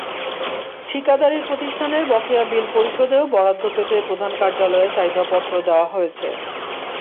ঠিকাদারি প্রতিষ্ঠানের বকেয়া বিল পরিশোধেও বরাদ্দ পেতে প্রধান কার্যালয়ে চাহিদাপত্র দেওয়া হয়েছে।